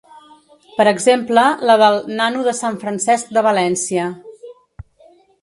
Per exemple, la del “nano de Sant Francesc de València”.